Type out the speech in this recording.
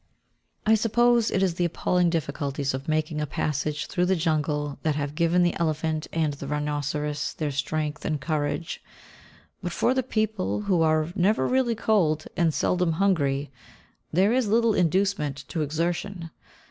I suppose it is the appalling difficulties of making a passage through the jungle that have given the elephant and rhinoceros their strength and courage; but for the people, who are never really cold, and seldom hungry, there is little inducement to exertion.